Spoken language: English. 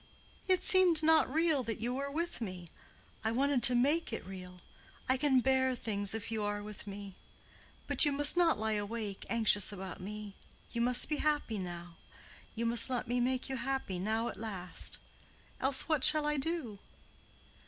"It seemed not real that you were with me. I wanted to make it real. I can bear things if you are with me. But you must not lie awake, anxious about me. You must be happy now. You must let me make you happy now at last—else what shall I do?"